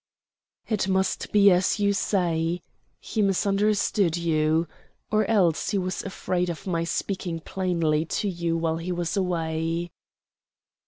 "It must be as you say he misunderstood you or else he was afraid of my speaking plainly to you while he was away."